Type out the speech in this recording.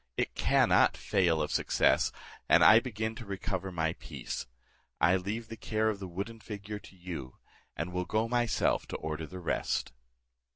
It cannot fail of success, and I begin to recover my peace. I leave the care of the wooden figure to you, and will go myself to order the rest."